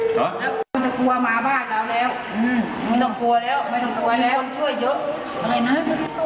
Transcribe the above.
ตอนโยนทิ้งน้ำมันยังไม่ตาย